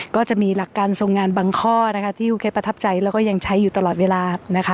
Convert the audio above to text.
ก็จะมีหลักการทรงงานบางข้อนะคะที่โอเคประทับใจแล้วก็ยังใช้อยู่ตลอดเวลานะคะ